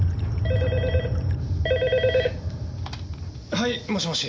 はいもしもし。